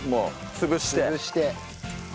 潰して。